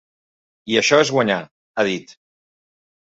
I això és guanyar, ha dit.